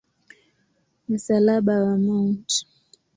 Msalaba wa Mt.